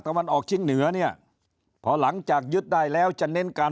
วันออกชิงเหนือเนี่ยพอหลังจากยึดได้แล้วจะเน้นการ